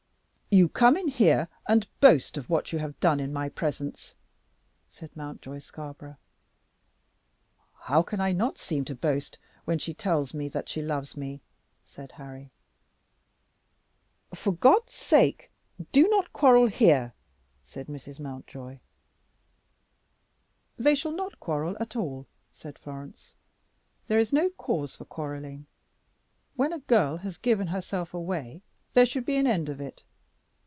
"You come in here and boast of what you have done in my presence," said Mountjoy Scarborough. "How can I not seem to boast when she tells me that she loves me?" said Harry. "For God's sake, do not quarrel here!" said Mrs. Mountjoy. "They shall not quarrel at all," said Florence, "There is no cause for quarrelling. When a girl has given herself away there should be an end of it.